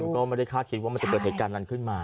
ก็ไม่ได้คาดคิดว่ามันจะเกิดเหตุการณ์นั้นขึ้นมา